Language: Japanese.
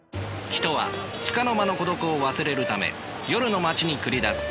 人はつかの間の孤独を忘れるため夜の街に繰り出す。